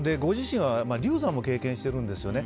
ご自身は流産も経験してるんですよね。